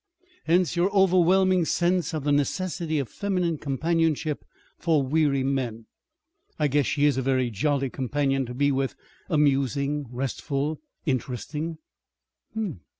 "Hence your overwhelming sense of the necessity of feminine companionship for weary men. I guess she is a very jolly companion to be with, amusing, restful interesting."